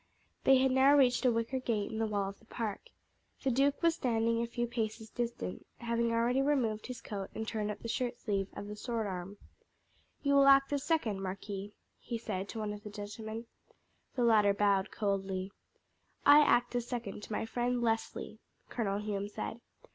They had now reached a wicket gate in the wall of the park. The duke was standing a few paces distant, having already removed his coat and turned up the shirt sleeve of the sword arm. "You will act as second, marquis?" he said to one of the gentlemen. The latter bowed coldly. "I act as second to my friend Leslie," Colonel Hume said.